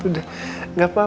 udah gak apa apa